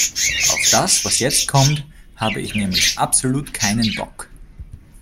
Auf das, was jetzt kommt, habe ich nämlich absolut keinen Bock.